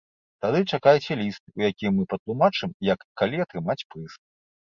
Тады чакайце ліст, у якім мы патлумачым, як і калі атрымаць прыз.